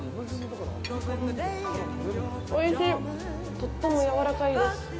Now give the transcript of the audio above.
とってもやわらかいです。